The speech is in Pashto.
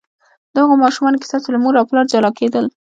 د هغو ماشومانو کیسه چې له مور او پلار جلا کېدل.